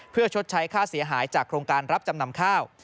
เพื่อชดใช้ค่าเสียหายจากโครงการรับจำนำข้าว